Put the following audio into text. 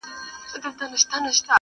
مور د درملو هڅه کوي خو ګټه نه کوي هېڅ،